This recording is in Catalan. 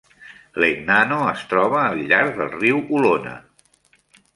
Legnano es troba al llarg del riu Olona.